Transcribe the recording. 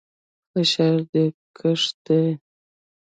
فشار دې کښته دى.